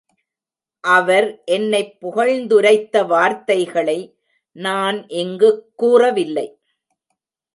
அவர் என்னைப் புகழ்ந்துரைத்த வார்த்தைகளை நான் இங்குக் கூறவில்லை.